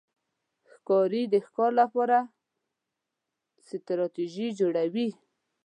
ښکاري د ښکار لپاره ستراتېژي جوړوي.